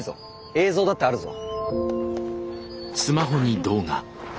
映像だってあるぞ。